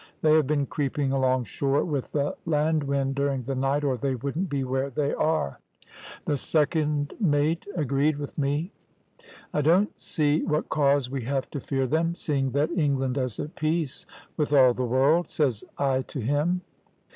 They have been creeping along shore with the land wind during the night, or they wouldn't be where they are.' "The second mate agreed with me. "`I don't see what cause we have to fear them, seeing that England is at peace with all the world,' says I to him.